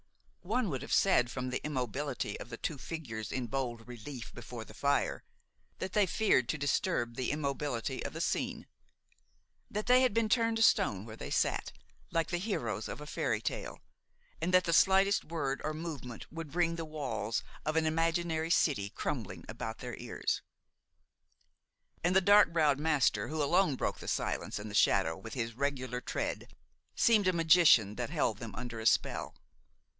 One would have said, from the immobility of the two figures in bold relief before the fire, that they feared to disturb the immobility of the scene; that they had been turned to stone where they sat, like the heroes of a fairy tale, and that the slightest word or movement would bring the walls of an imaginary city crumbling about their ears. And the dark browed master, who alone broke the silence and the shadow with his regular tread, seemed a magician who held them under a spell.